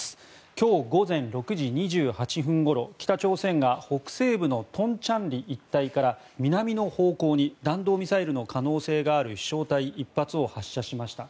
今日午前６時２８分ごろ北朝鮮が北西部の東倉里一帯から南の方向に弾道ミサイルの可能性がある飛翔体１発を発射しました。